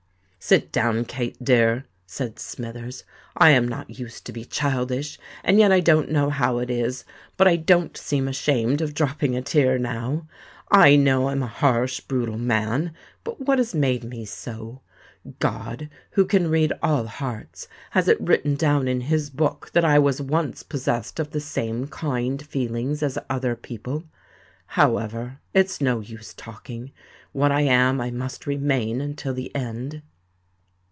"Sit down, Kate dear," said Smithers: "I am not used to be childish;—and yet, I don't know how it is, but I don't seem ashamed of dropping a tear now. I know I'm a harsh, brutal man: but what has made me so? God, who can read all hearts, has it written down in his book that I was once possessed of the same kind feelings as other people. However—it's no use talking: what I am I must remain until the end."